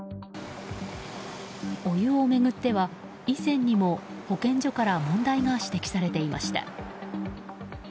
お湯を巡っては以前にも保健所から問題が指摘されていました。